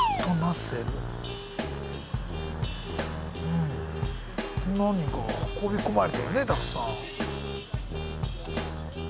うん何か運び込まれてるねたくさん。